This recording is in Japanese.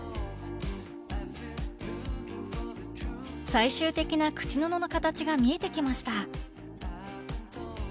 最終的な口布の形が見えてきました